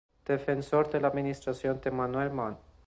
Defensor de la administración de Manuel Montt.